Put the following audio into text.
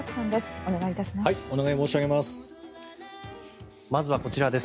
お願いいたします。